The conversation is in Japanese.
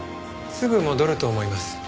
すぐ戻ると思います。